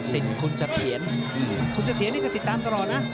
สิ่งคุณสะเทียนคุณสะเทียนนี่ก็ติดตามตลอดนะ